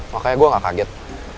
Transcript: makanya gue gak kaget